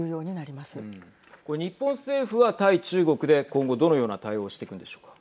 これ、日本政府は対中国で今後、どのような対応をしてくのでしょうか。